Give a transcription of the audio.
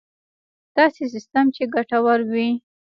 داسې سیستم چې ګټور وي.